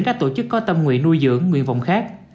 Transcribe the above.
các tổ chức có tâm nguyện nuôi dưỡng nguyện vọng khác